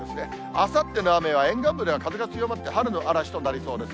あさっての雨は、沿岸部では風が強まって、春の嵐となりそうです。